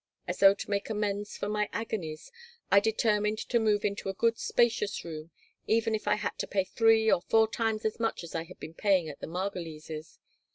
As though to make amends for my agonies, I determined to move into a good, spacious room, even if I had to pay three or four times as much as I had been paying at the Margolises'.